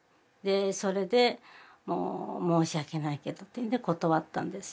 それでもう申し訳ないけどっていうので断ったんですよね。